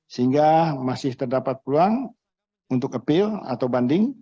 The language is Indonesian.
sehingga masih terdapat peluang untuk appeal atau banding